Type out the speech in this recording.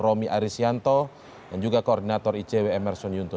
romy arisyanto dan juga koordinator icw emerson yuntus